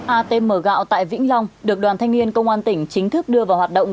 atm gạo tại vĩnh long được đoàn thanh niên công an tỉnh chính thức đưa vào hoạt động